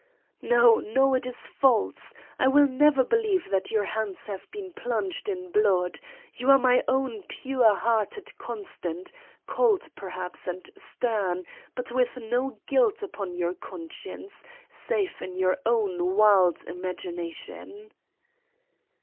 "No, no, it is false! I will never believe that your hands have been plunged in blood. You are my own pure hearted Constant, cold, perhaps, and stern, but with no guilt upon your conscience, save in your own wild imagination."